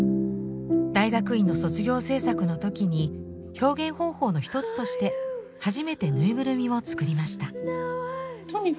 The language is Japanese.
大学院の卒業制作の時に表現方法の一つとして初めてぬいぐるみを作りました。